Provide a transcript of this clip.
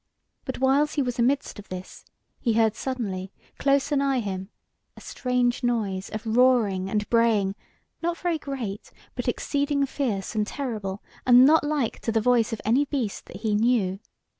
But whiles he was amidst of this, he heard suddenly, close anigh him, a strange noise of roaring and braying, not very great, but exceeding fierce and terrible, and not like to the voice of any beast that he knew.